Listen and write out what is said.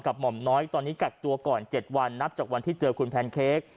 หม่อมน้อยตอนนี้กักตัวก่อน๗วันนับจากวันที่เจอคุณแพนเค้ก